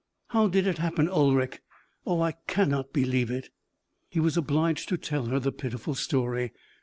How did it happen, Ulric? Oh, I cannot believe it!" He was obliged to tell her the pitiful story.